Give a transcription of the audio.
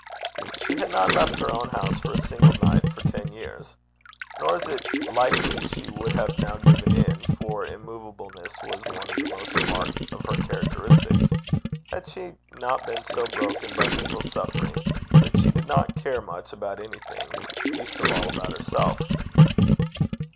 She had not left her own house for a single night for ten years. Nor is it likely she would have now given in, for immovableness was one of the most marked of her characteristics, had she not been so broken by mental suffering, that she did not care much about anything, least of all about herself.